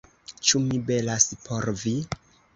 Ĉu mi belas por vi?